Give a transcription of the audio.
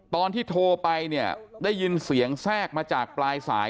ตอนที่โทรไปเนี่ยได้ยินเสียงแทรกมาจากปลายสาย